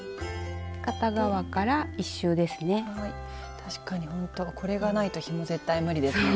確かにほんとこれがないとひも絶対無理ですね。